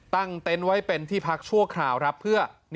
เต็นต์ไว้เป็นที่พักชั่วคราวครับเพื่อ